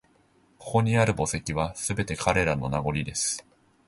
ここにある墓石は、すべて彼らの…名残です